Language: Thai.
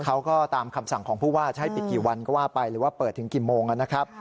เขาก็ตามคำสั่งของผู้ว่าจะให้ปิดกี่วันก็ว่าไปหรือว่าเปิดถึงกี่โมงนะครับ